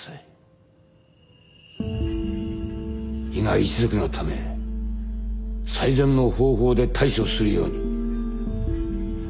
伊賀一族のため最善の方法で対処するように。